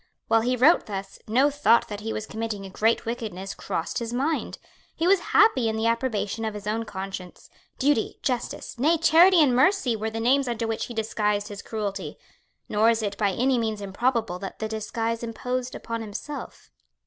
While he wrote thus, no thought that he was committing a great wickedness crossed his mind. He was happy in the approbation of his own conscience. Duty, justice, nay charity and mercy, were the names under which he disguised his cruelty; nor is it by any means improbable that the disguise imposed upon himself.